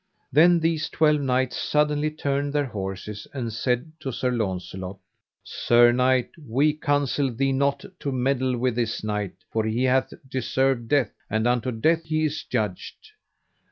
Then these twelve knights suddenly turned their horses and said to Sir Launcelot: Sir knight, we counsel thee not to meddle with this knight, for he hath deserved death, and unto death he is judged.